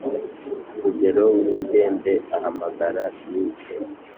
rugero windembe ahamagara mike